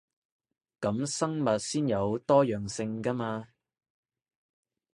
噉生物先有多樣性 𠺢 嘛